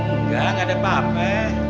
enggak enggak ada apa apa